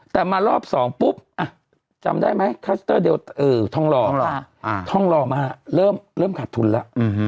แต่มารอบ๒ปุ๊บจำได้ไหมคลัสเตอร์เดียวทองหล่อทองหล่อมาเริ่มขาดทุนแล้ว